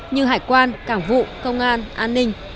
như hải quan cảng vụ công an an ninh